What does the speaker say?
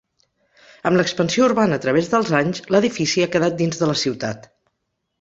Amb l'expansió urbana a través dels anys, l'edifici ha quedat dins de la ciutat.